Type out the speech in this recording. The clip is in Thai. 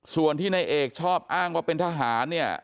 ส่วนที่นายเอกชอบอ้างว่าเป็นทหารเนี่ย